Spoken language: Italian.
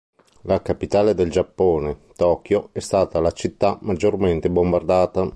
La capitale del Giappone, Tokyo, è stata la città maggiormente bombardata.